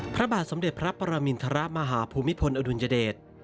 พระบาทสมเด็จพระปรมินทรมาฮภูมิพลอดุลยเดช